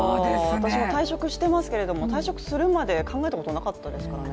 私も退職してますけども、退職するまで考えたことなかったですね。